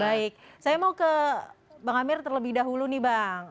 baik saya mau ke bang amir terlebih dahulu nih bang